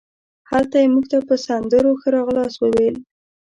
هلته یې مونږ ته په سندرو ښه راغلاست وویل.